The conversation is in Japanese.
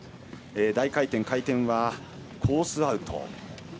大回転、回転はコースアウト。